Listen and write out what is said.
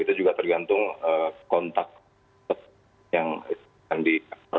itu juga tergantung kontak yang di